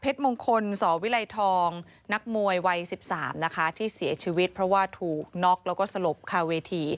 เพชรมกลสวิรัยทองราชัยไว้๑๓นะคะที่เสียชีวิตเพราะว่าถูกก๊อกแล้วก็สลบความเวทิ